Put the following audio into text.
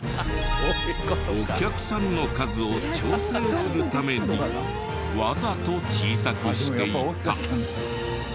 お客さんの数を調整するためにわざと小さくしていた。